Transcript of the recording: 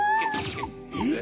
えっ！？